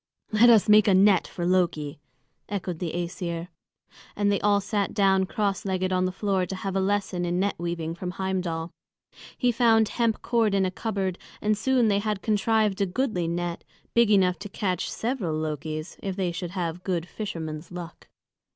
"Let us make a net for Loki," echoed the Æsir. And they all sat down cross legged on the floor to have a lesson in net weaving from Heimdal. He found hemp cord in a cupboard, and soon they had contrived a goodly net, big enough to catch several Lokis, if they should have good fisherman's luck.